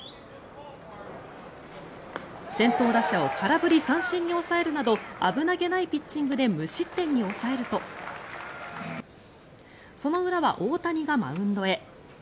先頭打者を空振り三振に抑えるなど危なげないピッチングで無失点に抑えるとその裏は大谷がマウンドへ。